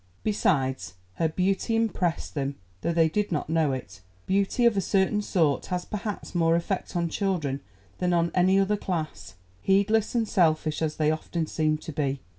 Besides, her beauty impressed them, though they did not know it. Beauty of a certain sort has perhaps more effect on children than on any other class, heedless and selfish as they often seem to be.